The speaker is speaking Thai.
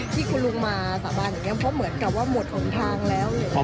ที่คุณลุงมาสามารถเหมือนกับว่าหมดออกทางแล้ว